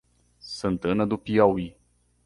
Santana do Piauí